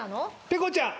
ペコちゃん！